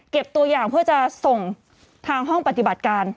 ตัวอย่างเพื่อจะส่งทางห้องปฏิบัติการ